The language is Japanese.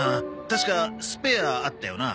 確かスペアあったよな。